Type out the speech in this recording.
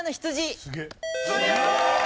強い！